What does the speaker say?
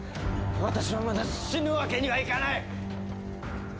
私はまだ死ぬわけにはいかない！